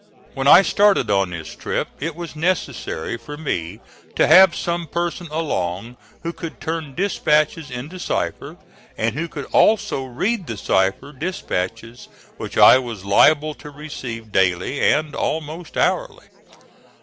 When I started on this trip it was necessary for me to have some person along who could turn dispatches into cipher, and who could also read the cipher dispatches which I was liable to receive daily and almost hourly.